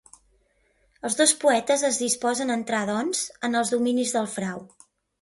Els dos poetes es disposen a entrar doncs en els dominis del Frau.